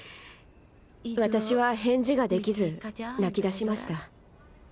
私は返事ができず泣きだしました。